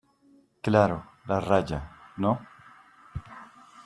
claro, la raya ,¿ no?